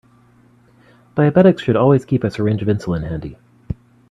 Diabetics should always keep a syringe of insulin handy.